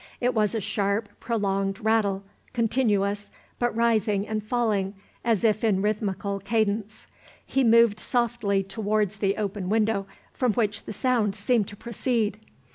It was a sharp prolonged rattle, continuous, but rising and falling as if in rhythmical cadence. He moved softly towards the open window from which the sound seemed to proceed.